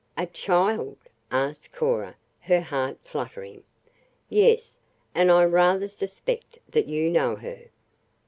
"A child?" asked Cora, her heart fluttering. "Yes; and I rather suspect that you know her."